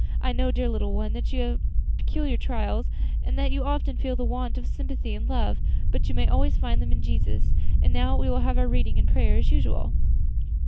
I know, dear little one, that you have peculiar trials, and that you often feel the want of sympathy and love; but you may always find them in Jesus. And now we will have our reading and prayer as usual."